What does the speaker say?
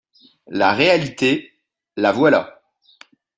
La réalité, la voilà.